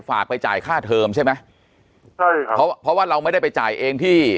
ฝากไปจ่ายค่าเทอมใช่ไหมใช่ครับเพราะว่าเราไม่ได้ไปจ่ายเองที่